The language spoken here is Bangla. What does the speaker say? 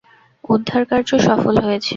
উদ্ধারকার্য সফল হয়েছে।